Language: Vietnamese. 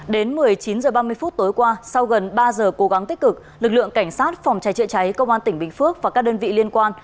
đến một mươi chín h ba mươi phút tối qua sau gần ba giờ cố gắng tích cực lực lượng cảnh sát phòng cháy chữa cháy công an tỉnh bình phước và các đơn vị liên quan